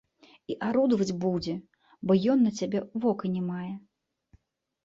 І арудаваць будзе, бо ён на цябе вока не мае.